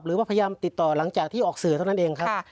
หรือว่าพยายามติดต่อหลังจากที่ออกสื่อเท่านั้นเองครับ